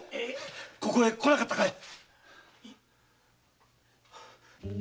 ここへ来なかったかい？